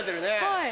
はい。